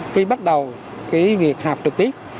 khi bắt đầu việc hạp trực tiếp